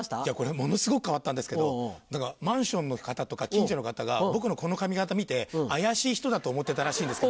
ものすごく変わったんですけどマンションの方とか近所の方が僕のこの髪形見て怪しい人だと思ってたらしいんですけど今まで。